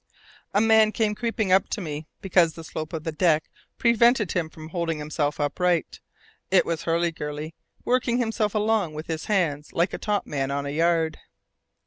A man came creeping up to me, because the slope of the deck prevented him from holding himself upright: it was Hurliguerly, working himself along with his hands like a top man on a yard.